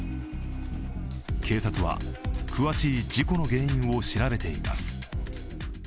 警察は詳しい事故の原因を調べています。